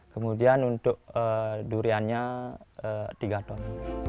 kemudian untuk duriannya tiga ton